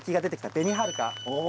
紅はるか。